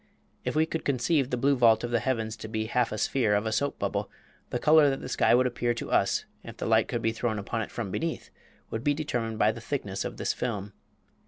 If we could conceive the blue vault of the heavens to be half a sphere of a soap bubble, the color that the sky would appear to us (if the light could be thrown upon it from beneath) would be determined by the thickness of this film.